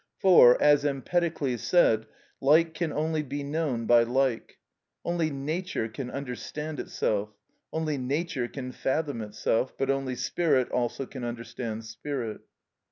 For, as Empedocles said, like can only be known by like: only nature can understand itself: only nature can fathom itself: but only spirit also can understand spirit.